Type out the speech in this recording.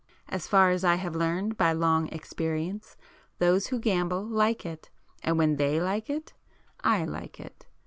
As far as I have learned by long experience, those who gamble like it, and when they like it, I like it.